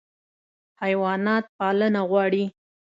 حیوانات پالنه غواړي.